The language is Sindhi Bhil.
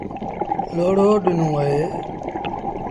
لوڙو ڏيݩوٚن اهي۔